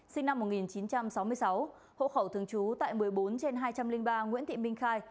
sinh năm một nghìn chín trăm sáu mươi sáu hộ khẩu thường trú tại một mươi bốn trên hai trăm linh ba nguyễn thị minh khai